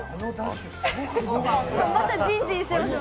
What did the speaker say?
まだジンジンしてますよ。